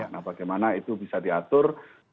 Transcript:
nah bagaimana itu bisa diatur